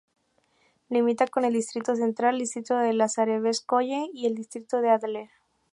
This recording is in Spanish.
Limita con el distrito Central, el distrito de Lázarevskoye y el distrito de Ádler.